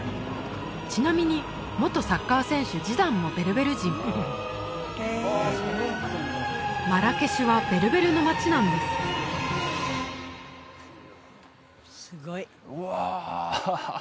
ちなみに元サッカー選手ジダンもベルベル人マラケシュはベルベルの街なんですうわ